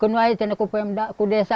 kalau tidak kita tidak bisa berjalan ke desa